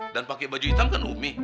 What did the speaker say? dan pake baju hitam kan umi